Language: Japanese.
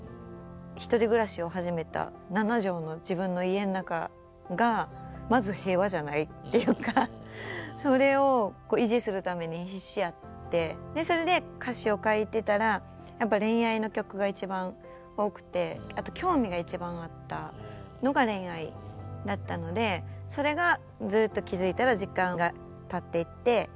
１人暮らしを始めた７畳の自分の家の中がまず平和じゃないっていうかそれを維持するために必死やってそれで歌詞を書いてたらやっぱ恋愛の曲が一番多くてあと興味が一番あったのが恋愛だったのでそれがずっと気付いたら時間がたっていって。